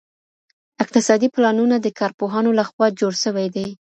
اقتصادي پلانونه د کارپوهانو لخوا جوړ سوي دي.